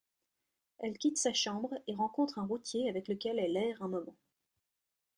Elle quitte sa chambre et rencontre un routier avec lequel elle erre un moment.